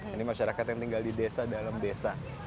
ini masyarakat yang tinggal di desa dalam desa